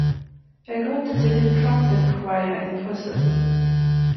Er gründete den "Trumpet Choir" in Brüssel.